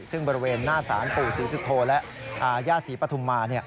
ซึ่งบริเวณหน้าศาลปู่ศรีสุโธและย่าศรีปฐุมมา